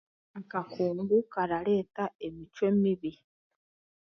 Akakungu karareeta emicwe mibi